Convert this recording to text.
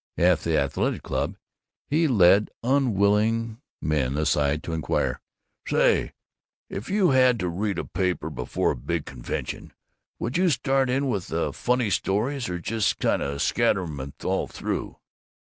At the Athletic Club he led unwilling men aside to inquire, "Say, if you had to read a paper before a big convention, would you start in with the funny stories or just kind of scatter 'em all through?"